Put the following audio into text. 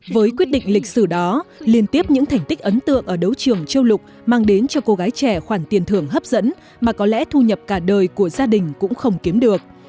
với quyết định lịch sử đó liên tiếp những thành tích ấn tượng ở đấu trường châu lục mang đến cho cô gái trẻ khoản tiền thưởng hấp dẫn mà có lẽ thu nhập cả đời của gia đình cũng không kiếm được